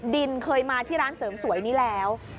เคยมาที่ร้านเสริมสวยนี้แล้ว